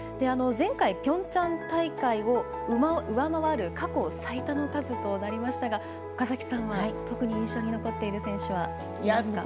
前回ピョンチャン大会を上回る過去最多の数となりましたが岡崎さんは特に印象に残っている選手は？